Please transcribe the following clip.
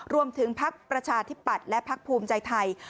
ภักดิ์ประชาธิปัตย์และพักภูมิใจไทย